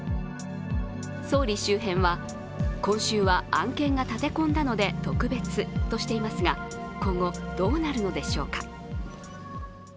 総理周辺は、今週は案件が立て込んだので特別としていますが、今後どうなるのでしょうか。